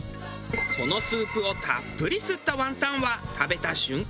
そのスープをたっぷり吸ったワンタンは食べた瞬間